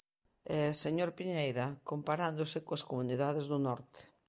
E, señor Piñeira, comparándose coas comunidades do norte.